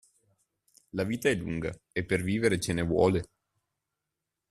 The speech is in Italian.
La vita è lunga, e per vivere ce ne vuole!